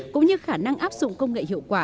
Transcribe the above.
cũng như khả năng áp dụng công nghệ hiệu quả